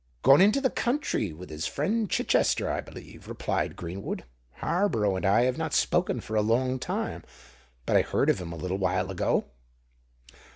"Gone into the country with his friend Chichester, I believe," replied Greenwood. "Harborough and I have not spoken for a long time; but I heard of him a little while ago."